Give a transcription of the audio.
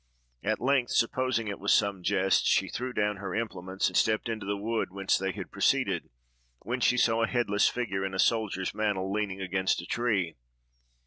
At length, supposing it was some jest, she threw down her implements, and stepped into the wood whence they had proceeded, when she saw a headless figure, in a soldier's mantle, leaning against a tree.